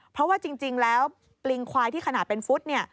เพราะว่าจริงแล้วปลิงควายที่ขนาดเป็นฟุตเนี่ย